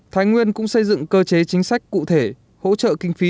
thái nguyên cũng xây dựng cơ chế chính sách cụ thể hỗ trợ kinh phí